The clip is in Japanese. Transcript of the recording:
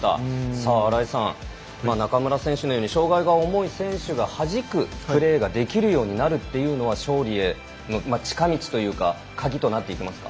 さあ、新井さん中村選手のように障がいの重い選手がはじくプレーができるようになるというのは勝利への近道というかカギになってきますか？